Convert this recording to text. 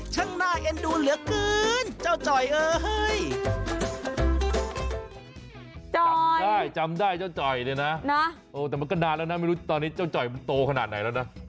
ช่างหน้าเอ็นดูเหลือเกินเจ้าจอยเอ้ย